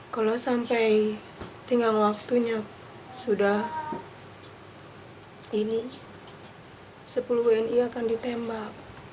kalau sampai tinggal waktunya sudah ini sepuluh wni akan ditembak